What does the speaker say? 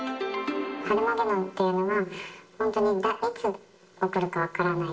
ハルマゲドンっていうのは、本当にいつ起こるか分からない。